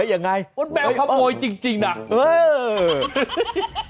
เน๊ยยังไงโพลแมวขโมยจริงน่ะโพลแมวขโมย